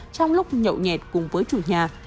trong lúc nhậu nhẹt cùng với chủ nhà